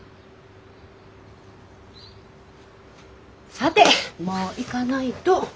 さてもう行かないと。